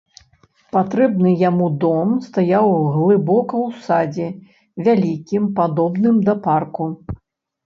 Патрэбны яму дом стаяў глыбока ў садзе, вялікім, падобным да парку.